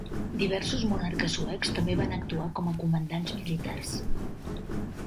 Diversos monarques suecs també van actuar com a comandants militars.